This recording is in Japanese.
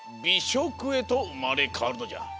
しょくへとうまれかわるのじゃ。